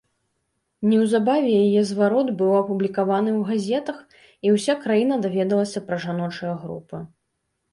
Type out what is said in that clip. Неўзабаве яе зварот быў апублікаваны ў газетах, і ўся краіна даведалася пра жаночыя групы.